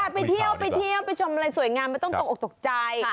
ไปเที่ยวไปเที่ยวไปชมอะไรสวยงามไม่ต้องตกออกตกใจ